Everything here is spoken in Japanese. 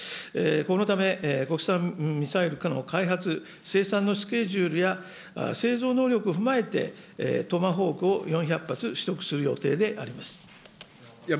このため、国産ミサイルの開発、生産のスケジュールや製造能力を踏まえて、トマホークを４００発取得する予定であります。